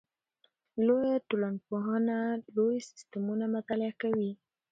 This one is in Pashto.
لویه ټولنپوهنه لوی سیستمونه مطالعه کوي.